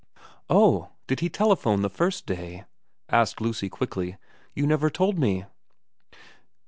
' Oh ? Did he telephone the first day ?' asked Lucy quickly. ' You never told me.'